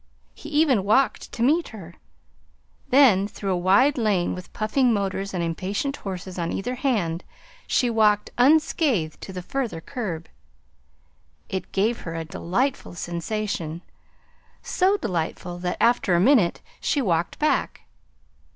He even walked to meet her. Then, through a wide lane with puffing motors and impatient horses on either hand, she walked unscathed to the further curb. It gave her a delightful sensation, so delightful that, after a minute, she walked back.